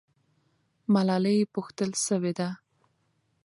ملالۍ پوښتل سوې ده.